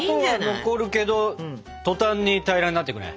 跡は残るけど途端に平らになっていくね。